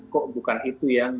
kok bukan itu yang